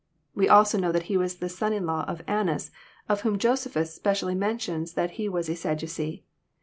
We also know that he was son in law to Annas, of whom Josephus specially mentions that he was a Sadducee.